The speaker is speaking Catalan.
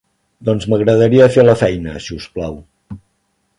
Doncs m'agradaria fer la feina, si us plau.